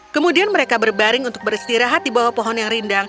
kemudian mereka berbaring untuk beristirahat di bawah pohon yang rindang